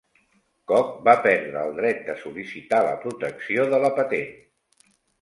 Koch va perdre el dret de sol·licitar la protecció de la patent.